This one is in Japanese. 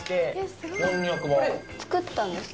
すごい！作ったんですか？